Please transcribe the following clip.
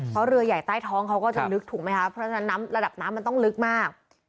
เพราะเรือใหญ่ใต้ท้องเขาก็จะลึกถูกไหมคะเพราะฉะนั้นน้ำระดับน้ำมันต้องลึกมาก